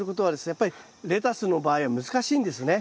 やっぱりレタスの場合は難しいんですね。